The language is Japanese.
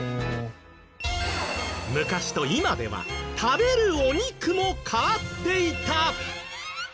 昔と今では食べるお肉も変わっていた！